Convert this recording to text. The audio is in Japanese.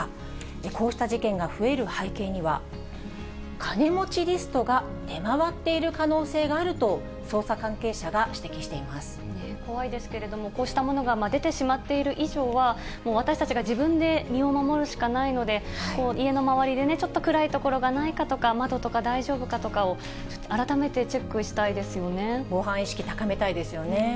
こうした事件が増える背景には、金持ちリストが出回っている可能性があると、捜査関係者が指摘し怖いですけれども、こうしたものが出てしまっている以上は、私たちが自分で身を守るしかないので、家の周りでちょっと暗い所がないかとか、窓とか大丈夫かとかを、防犯意識、高めたいですよね。